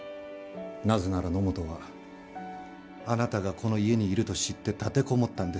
なぜなら野本はあなたがこの家にいると知って立てこもったんですから。